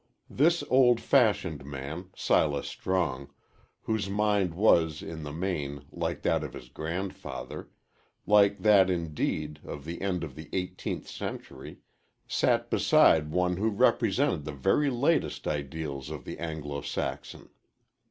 This old fashioned man Silas Strong whose mind was, in the main, like that of his grandfather like that, indeed, of the end of the eighteenth century sat beside one who represented the very latest ideals of the Anglo Saxon.